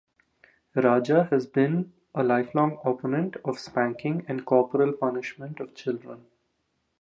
Raja has been a lifelong opponent of spanking and corporal punishment of children.